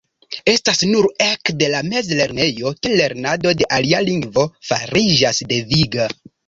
Estas nur ekde la mezlernejo ke lernado de alia lingvo fariĝas deviga.